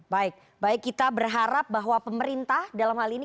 baik baik kita berharap bahwa pemerintah dalam hal ini